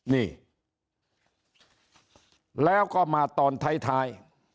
นี่แล้วก็มาตอนท้าย